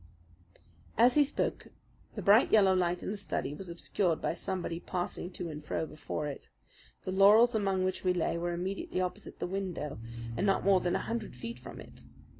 As he spoke the bright, yellow light in the study was obscured by somebody passing to and fro before it. The laurels among which we lay were immediately opposite the window and not more than a hundred feet from it.